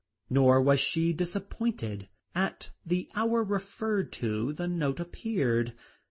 Nor was she disappointed. At the very hour referred to, the note appeared.